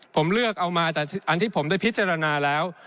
ผมเลือกเอามาแต่อันที่ผมได้พิจารณาแล้ว